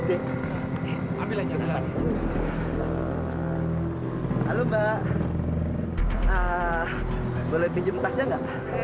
hei langsung ke kampung rasanya